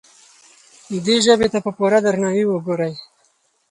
دې ژبې ته په پوره درناوي وګورئ.